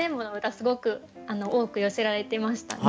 すごく多く寄せられていましたね。